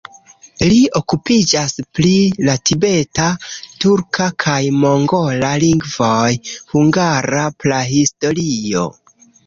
Li okupiĝas pri la tibeta, turka kaj mongola lingvoj, hungara prahistorio.